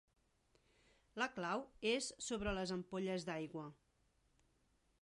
La clau és sobre les ampolles d'aigua.